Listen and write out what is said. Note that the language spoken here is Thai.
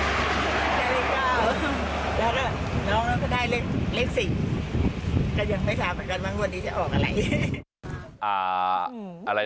ได้เลขก้าวน้องน้องก็ได้เลขเลขสี่แต่ยังไม่สามารถกันว่าวันนี้จะออกอะไร